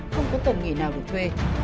không có tuần nghỉ nào để thuê